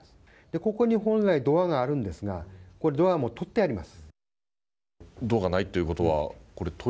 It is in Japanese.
ここに本来、ドアがあるんですがドアは取ってあります。